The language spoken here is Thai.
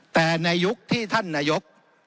แต่ในยุคที่ท่านนายก